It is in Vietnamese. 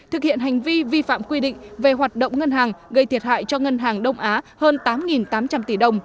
thực hiện hành vi vi phạm quy định về hoạt động ngân hàng gây thiệt hại cho ngân hàng đông á hơn tám tám trăm linh tỷ đồng